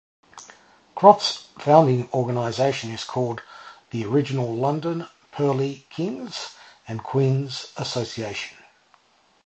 Croft's founding organisation is called the Original London Pearly Kings and Queens Association.